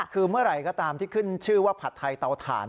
คือเมื่อไหร่ก็ตามที่ขึ้นชื่อว่าผัดไทยเตาถ่าน